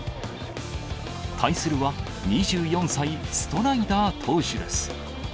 対するは、２４歳、ストライダー投手です。